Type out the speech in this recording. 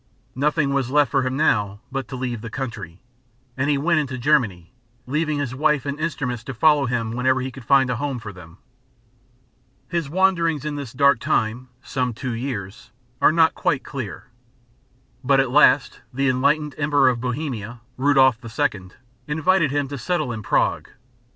Nothing was left for him now but to leave the country, and he went into Germany, leaving his wife and instruments to follow him whenever he could find a home for them. His wanderings in this dark time some two years are not quite clear; but at last the enlightened Emperor of Bohemia, Rudolph II., invited him to settle in Prague.